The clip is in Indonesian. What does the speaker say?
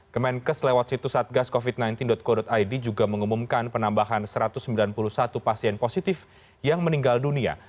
kemenkes lewat situs satgascovid sembilan belas co id juga mengumumkan penambahan satu ratus sembilan puluh satu pasien positif yang meninggal dunia